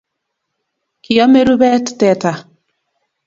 Kiame rubeet teta